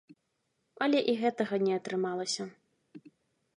Але і гэтага не атрымалася.